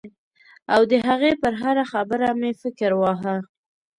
او د هغې پر هره خبره مې فکر واهه.